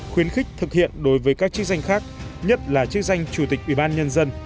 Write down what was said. khuyến khích thực hiện đối với các chức danh khác nhất là chức danh chủ tịch ubnd